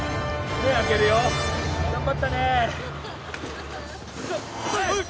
目開けるよ頑張ったねいくぞ！